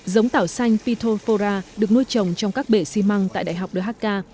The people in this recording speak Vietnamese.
giống tảo xanh petropora được nuôi trồng trong các bể xi măng tại đại học dhaka